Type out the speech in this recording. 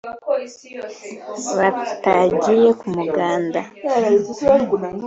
batagiye ku muganda